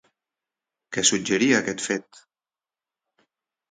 Què suggeria aquest fet?